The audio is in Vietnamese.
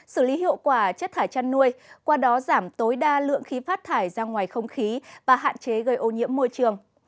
xử lý hiệu quả chất thải chăn nuôi qua đó giảm tối đa lượng khí phát thải ra ngoài không khí và hạn chế gây ô nhiễm môi trường